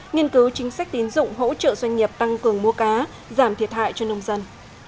nghiên cứu chính sách tín dụng hỗ trợ doanh nghiệp tăng cường mua cá giảm thiệt hại cho nông dân